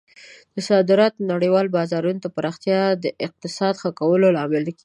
د صادراتو د نړیوالو بازارونو ته پراختیا د اقتصاد ښه کولو لامل کیږي.